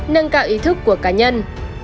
nâng cao ý thức của cá nhân